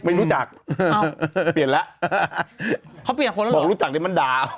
ไม่รู้จักเปลี่ยนแล้วเขาเปลี่ยนคนแล้วบอกรู้จักเดี๋ยวมันด่า